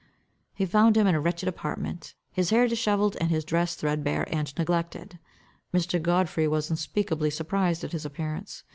He found him in a wretched apartment, his hair dishevelled and his dress threadbare and neglected. Mr. Godfrey was unspeakably surprised at his appearance.